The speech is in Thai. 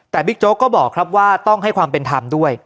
แต่บิ๊กโจ๊กก็บอกครับว่าต้องให้ความเป็นธรรมด้วย